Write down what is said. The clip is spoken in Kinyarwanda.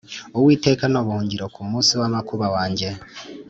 Uwiteka ni ubuhungiro ku munsi w’amakuba yanjye